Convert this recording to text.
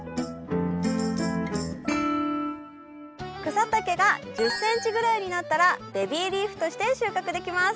草丈が１０ｃｍぐらいになったらベビーリーフとして収穫できます。